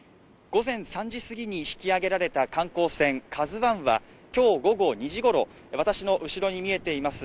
午前３時過ぎに引き揚げられた観光船「ＫＡＺＵ１」はきょう午後２時ごろ私の後ろに見えています